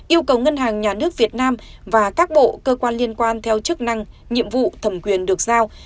yêu cầu ngân hàng nhà nước việt nam và các bộ cơ quan liên quan theo chức năng nhiệm vụ thẩm quyền được giao